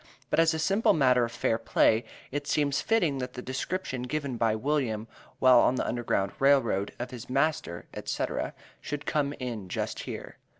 But as a simple matter of fair play, it seems fitting, that the description given by William, while on the Underground Rail Road, of his master, &c., should come in just here.